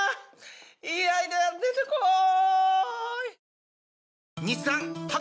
いいアイデア出てこい！